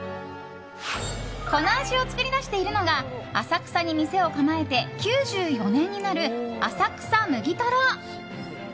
この味を作り出しているのが浅草に店を構えて９４年になる浅草むぎとろ。